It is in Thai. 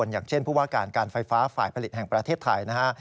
อย่างเช่นผู้ว่าการการไฟฟ้าฝ่ายผลิตแห่งประเทศไทยนะฮะ